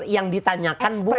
yang ditanyakan bukan